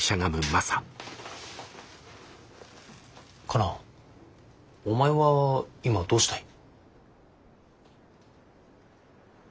カナお前は今どうしたい？